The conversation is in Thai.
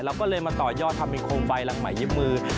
เราก็เลยมาต่อยอดทำเป็นโคมไฟหลังใหม่ยิบมือ